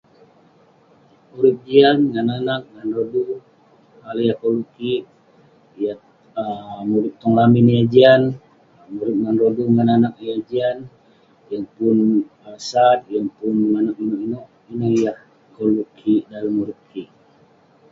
Urip jian ngan anaq, ngan rodu, hal yah koluk kik yah um murip tong lamin yah jian, murip ngan rodu ngan anaq yah jian, yeng pun um sat, yeng pun maneuk ineuk-ineuk. Ineh yah koluk kik dalem urip kik.